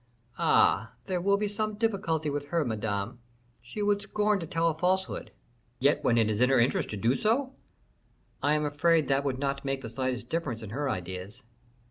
"Ah, there will be some difficulty with her, Madame; she would scorn to tell a falsehood." "Yet, when it is in her interest to do so " "I am afraid that that would not make the slightest difference in her ideas."